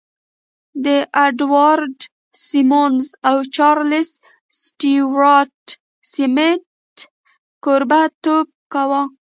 جې اډوارډ سیمونز او چارلیس سټیوارټ سمیت کوربهتوب کاوه